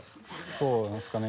そうなんですかね？